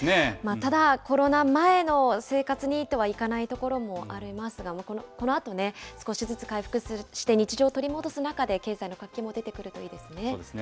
ただ、コロナ前の生活にとはいかないところもありますが、このあとね、少しずつ回復して、日常を取り戻す中で経済の活気も出そうですね。